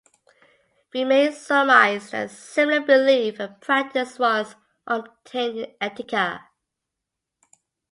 We may surmise that a similar belief and practice once obtained in Attica.